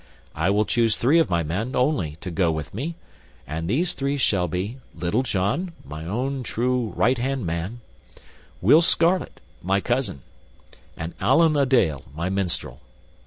I will choose three of my men, only, to go with me, and these three shall be Little John, mine own true right hand man, Will Scarlet, my cousin, and Allan a Dale, my minstrel.